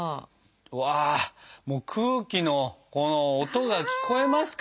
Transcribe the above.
うわもう空気のこの音が聞こえますか？